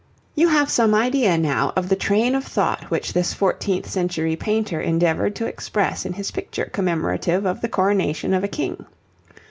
You have some idea now of the train of thought which this fourteenth century painter endeavoured to express in his picture commemorative of the coronation of a King.